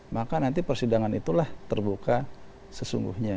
maka nanti persidangan itulah terbuka sesungguhnya